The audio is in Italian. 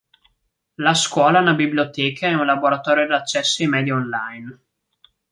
La scuola ha una biblioteca e un laboratorio di accesso ai media online.